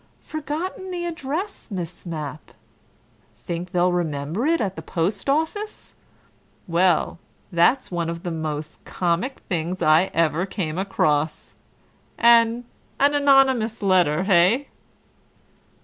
Forgotten the address, Miss Mapp? Think they'll remember it at the post office? Well, that's one of the mos' comic things I ever came across. An, an anonymous letter, eh?"